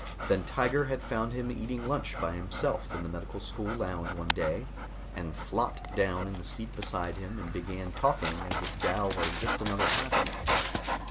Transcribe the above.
Then Tiger had found him eating lunch by himself in the medical school lounge one day and flopped down in the seat beside him and began talking as if Dal were just another classmate.